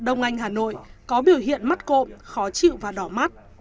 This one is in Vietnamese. đông anh hà nội có biểu hiện mắt cộm khó chịu và đỏ mắt